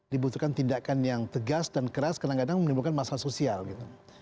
dibutuhkan tindakan yang tegas dan keras kadang kadang menimbulkan masalah sosial gitu